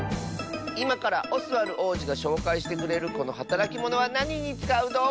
いまからオスワルおうじがしょうかいしてくれるこのはたらきモノはなににつかうどうぐでしょうか？